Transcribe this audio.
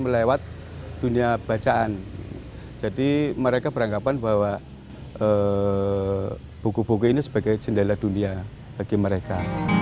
melewati dunia bacaan jadi mereka beranggapan bahwa buku buku ini sebagai jendela dunia bagi mereka